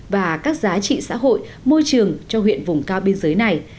và các giá trị xã hội môi trường cho huyện vùng cao biên giới này